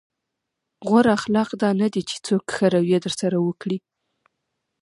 غوره اخلاق دا نه دي چې څوک ښه رويه درسره وکړي.